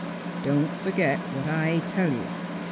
" Don't forget what I tell you.